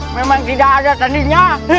memang tidak ada tandinya